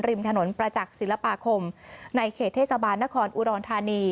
ริมถนนประจักษ์ศิลปาคมในเขตเทศบาลนครอุดรธานี